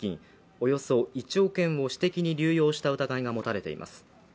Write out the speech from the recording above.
およそ１億円を私的に流用した疑いが持たれています。